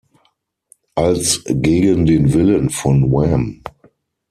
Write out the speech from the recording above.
Als gegen den Willen von Wham!